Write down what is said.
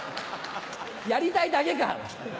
やりたいだけか！